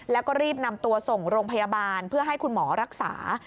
แล้วก็รีบนำตัวส่งโรงพยาบาลเพื่อให้คุณหมอรักษา